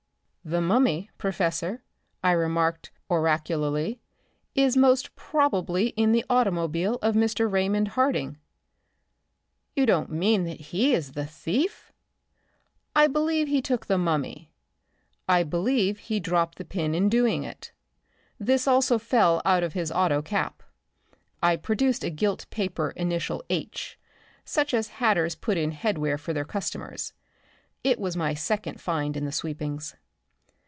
"The mummy, professor," I remarked, oracularly, "is most probably in the automobile of Mr. Raymond Harding." "You don't mean that he is the thief?" "I believe he took the mummy. I believe he dropped the pin in doing it. This also fell out of his auto cap." I produced a gilt paper initial "H," such as hatters put in headwear for their customers. It was my second find in the sweepings.